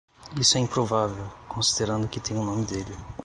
Isso é improvável, considerando que tem o nome dele.